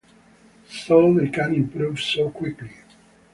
So they can improve so quickly.